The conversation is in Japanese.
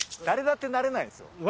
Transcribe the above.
誰だってなれないんすよ。